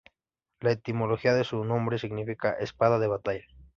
La etimología de su nombre significa "espada de batalla".